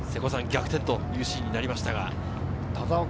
逆転というシーンになりましたね。